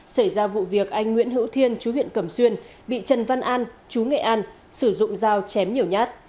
xảy ra vụ việc anh nguyễn hữu thiên chú huyện cẩm xuyên bị trần văn an chú nghệ an sử dụng dao chém nhiều nhát